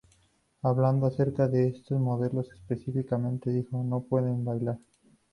Hablando acerca de estas modelos, específicamente dijo, "...no pueden bailar".